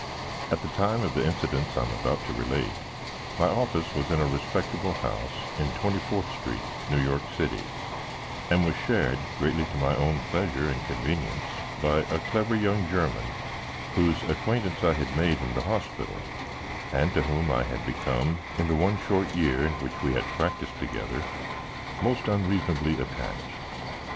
At the time of the incidents I am about to relate, my office was in a respectable house in Twenty fourth Street, New York City, and was shared, greatly to my own pleasure and convenience, by a clever young German whose acquaintance I had made in the hospital, and to whom I had become, in the one short year in which we had practised together, most unreasonably attached.